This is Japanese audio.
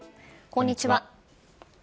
こんにちは。